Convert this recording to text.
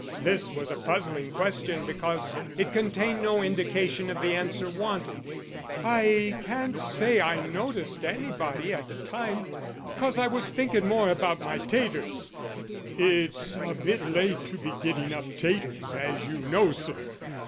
This was a puzzling question, because it contained no indication of the answer wanted. "I can't say I noticed anybody at the time, cos I was thinking more about my taters it's a bit late to be getting up taters, as you know, sir.